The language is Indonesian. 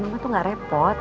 mama tuh gak repot